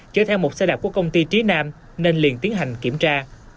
chở theo một xe đạp của công ty trí nam nên liền tiến hành kiểm tra